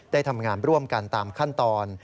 ได้ทำงานร่วมกันตามขั้นตอน